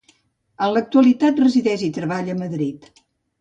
En l'actualitat resideix i treballa a Madrid.